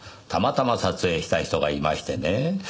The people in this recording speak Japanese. たまたま撮影した人がいましてね。